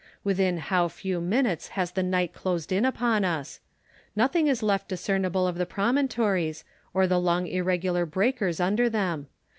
Within how few minutes has the night closed in upon us ! Nothing is left discernible of the promontories, or the long irregular breakers under them.